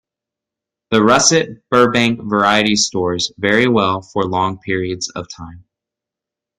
The Russet Burbank variety stores very well for long periods of time.